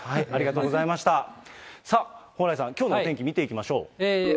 さあ、蓬莱さん、きょうの天気見ていきましょう。